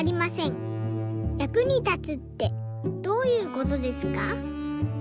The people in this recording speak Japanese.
役に立つってどういうことですか？」。